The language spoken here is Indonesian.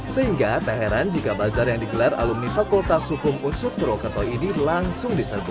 sehingga tak heran jika bazar yang digelar alumni fakultas hukum usut purwokerto ini langsung diserbu